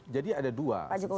jadi ada dua